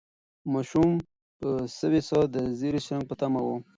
ماشوم په سوې ساه د زېري د شرنګ په تمه و.